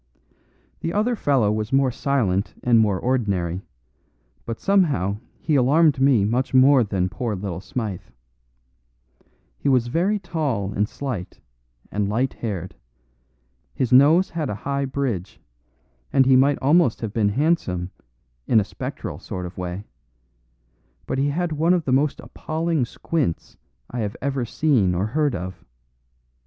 "The other fellow was more silent and more ordinary; but somehow he alarmed me much more than poor little Smythe. He was very tall and slight, and light haired; his nose had a high bridge, and he might almost have been handsome in a spectral sort of way; but he had one of the most appalling squints I have ever seen or heard of.